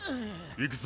行くぞ。